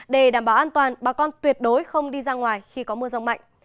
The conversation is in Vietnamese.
để đảm bảo an toàn bà con tuyệt đối không đi ra ngoài khi có mưa rông mạnh